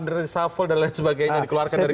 disafol dan lain sebagainya dikeluarkan dari koalisi